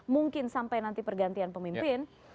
mungkin sampai nanti pergantian pemimpin